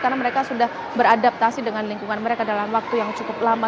karena mereka sudah beradaptasi dengan lingkungan mereka dalam waktu yang cukup lama